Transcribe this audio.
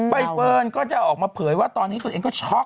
ใบเฟิร์นก็จะออกมาเผยว่าตอนนี้ตัวเองก็ช็อก